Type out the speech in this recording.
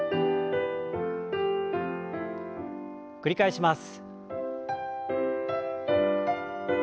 繰り返します。